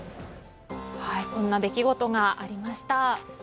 こんな出来事がありました。